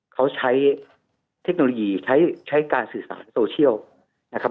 เขาใช้เทคโนโลยีใช้การสื่อสารโซเชียลนะครับ